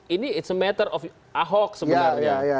ini it's a matter of ahok sebenarnya